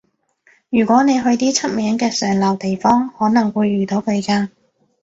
如果你去啲出名嘅上流地方，可能會遇到佢㗎